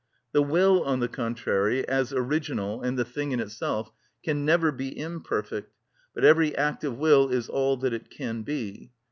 The will, on the contrary, as original and the thing in itself, can never be imperfect, but every act of will is all that it can be.